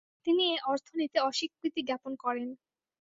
তিনি এ অর্থ নিতে অস্বীকৃতিজ্ঞাপন করেন।